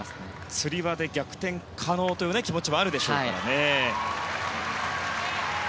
つり輪で逆転可能という気持ちもあるでしょうからね。